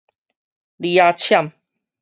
李仔攕